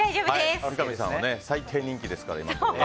三上さんは最低人気ですから。